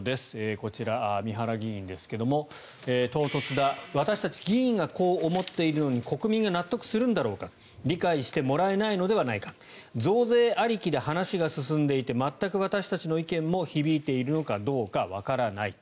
こちら、三原議員ですが唐突だ私たち議員がこう思っているのに国民が納得するんだろうか理解してもらえないのではないか増税ありきで話が進んでいて全く私たちの意見も響いているのかどうかわからない。